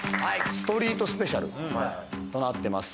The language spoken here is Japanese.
ストリートスペシャルとなってます